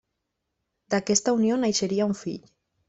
D'aquesta unió naixeria un fill.